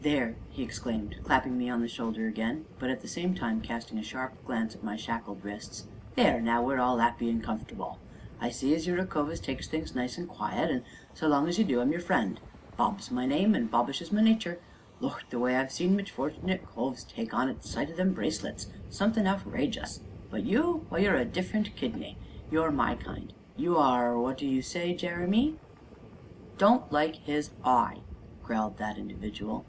"There!" he exclaimed, clapping me on the shoulder again, but at the same time casting a sharp glance at my shackled wrists "there now we're all 'appy an' comfortable! I see as you're a cove as takes things nice an' quiet, an' so long as you do I'm your friend Bob's my name, an' bobbish is my natur'. Lord! the way I've seen misfort'nate coves take on at sight o' them 'bracelets' is something out rageous! But you why, you're a different kidney you're my kind, you are what do you say, Jeremy?" "Don't like 'is eye!" growled that individual.